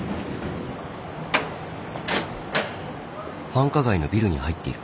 繁華街のビルに入っていく。